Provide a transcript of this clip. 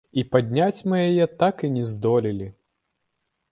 І падняць мы яе так і не здолелі.